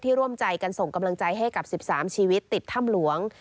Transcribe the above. ร่วมใจกันส่งกำลังใจให้กับ๑๓ชีวิตติดถ้ำหลวง